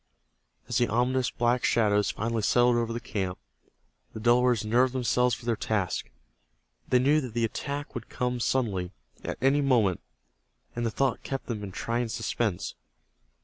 As the ominous black shadows finally settled over the camp, the Delawares nerved themselves for their task. They knew that the attack would come suddenly, at any moment, and the thought kept them in trying suspense.